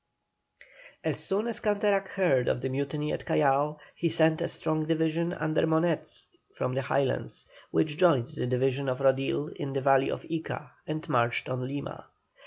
As soon as Canterac heard of the mutiny at Callao, he sent a strong division under Monet from the Highlands, which joined the division of Rodil in the valley of Ica and marched on Lima.